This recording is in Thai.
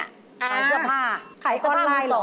ขายเสื้อผ้ามือสองขายข้อนไลน์เหรอ